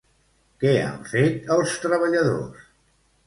Què han fet els treballadors?